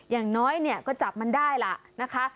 อย่างน้อยเนี่ยก็จับมันได้ล่ะนะคะ